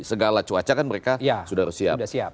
segala cuaca kan mereka sudah siap siap